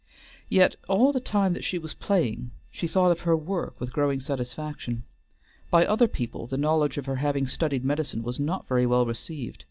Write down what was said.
Yet all the time that she was playing she thought of her work with growing satisfaction. By other people the knowledge of her having studied medicine was not very well received.